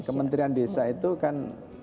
kementrian desa itu kan